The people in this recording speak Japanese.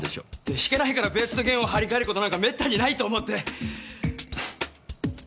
弾けないからベースの弦を張り替える事なんかめったにないと思って。